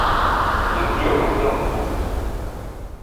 Bienvenue au vingt heures de France Deux.